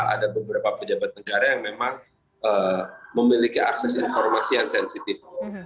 ada beberapa pejabat negara yang memang memiliki akses informasi yang sensitif